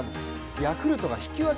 ヤクルトが引き分け